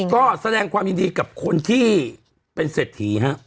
ก็แสดงความยินดีกับคนที่เป็นเศรษฐีฮะ